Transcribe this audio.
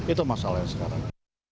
itu masalahnya sekarang